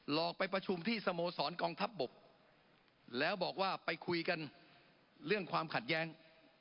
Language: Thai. อกไปประชุมที่สโมสรกองทัพบกแล้วบอกว่าไปคุยกันเรื่องความขัดแย้ง